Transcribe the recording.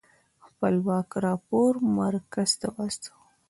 خپلواک راپور مرکز ته واستوه.